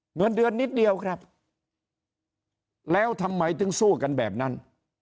เงินเดือนนิดเดียวครับแล้วทำไมถึงสู้กันแบบนั้น